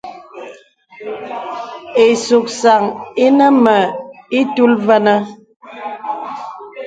Ìsùksaŋ ìnə mə ìtul və̄nə̄.